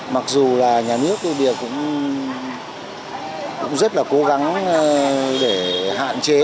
mặc dù là nhà nước tư biệt cũng rất là cố gắng để hạn chế